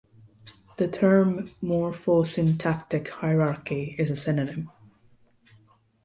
The term "morpho-syntactic hierarchy" is a synonym.